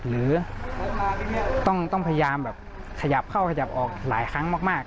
หรือต้องพยายามแบบขยับเข้าขยับออกหลายครั้งมาก